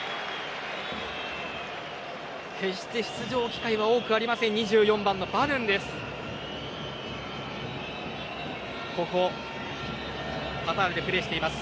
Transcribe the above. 決して出場機会は多くない２４番、バヌンです。